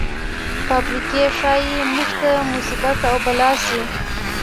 فابریکې ښايي موږ ته مصیبت او بلا شي.